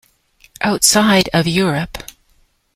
Outside of Europe,